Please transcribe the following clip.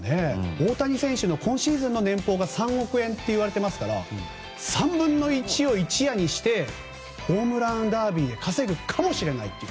大谷選手の今シーズンの年俸が３億円といわれていますから３分の１を一夜にしてホームランダービーで稼ぐかもしれないという。